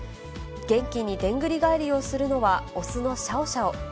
元気にでんぐり返りをするのは雄のシャオシャオ。